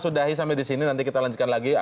sudahi sampai disini nanti kita lanjutkan lagi